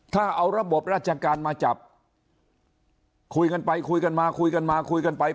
ถ้าเอาระบบราชการมาจับคุยกันไปคุยกันมาคุยกันมาคุยกันไป